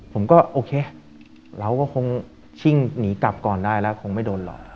ผมก็โอเคเราก็คงชิ่งหนีกลับก่อนได้แล้วคงไม่โดนหลอก